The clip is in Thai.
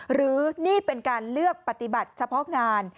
หรือนี่เป็นการเลือกปฏิบัติเฉพาะงาน